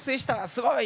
「すごい！」